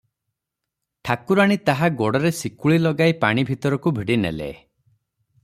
ଠାକୁରାଣୀ ତାହା ଗୋଡ଼ରେ ଶିକୁଳି ଲଗାଇ ପାଣିଭିତରକୁ ଭିଡ଼ିନେଲେ ।